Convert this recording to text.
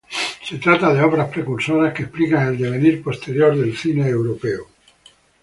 Se trata de obras precursoras que explican el devenir posterior del cine europeo.